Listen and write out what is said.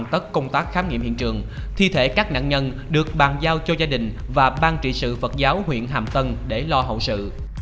tất công tác khám nghiệm hiện trường thi thể các nạn nhân được bàn giao cho gia đình và ban trị sự phật giáo huyện hàm tân để lo hậu sự